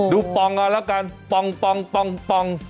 ปองเอาละกันปอง